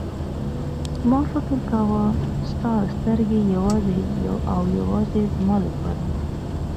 ما فکر کاوه ستا سترګې یوازې او یوازې زما لپاره.